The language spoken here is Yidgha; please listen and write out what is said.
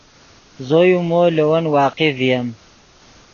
زو یو مو لے ون واقف ڤییم